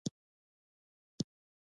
يو ږغ يې واورېد: صېب!